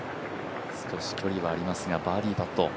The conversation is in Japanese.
少し距離はありますが、バーディーパット。